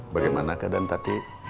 bagaimana keadaan tadi